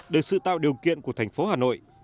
được sự tạo điều kiện của thành phố hà nội